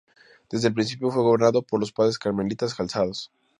Desde el principio fue gobernado por los padres carmelitas calzados.